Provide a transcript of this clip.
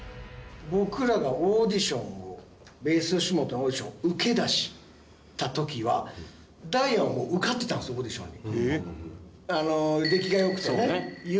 僕らがオーディションをｂａｓｅよしもとのオーディションを受けだした時はダイアンはもう受かってたんですオーディションに。